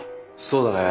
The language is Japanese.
そうだね。